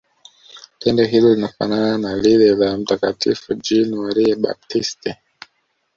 tendo hilo lilifanana na lile la mtakatifu jean marie baptiste